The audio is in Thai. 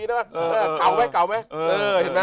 เว้ยเขาไหมเขาไหม